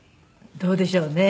どうでしょうね。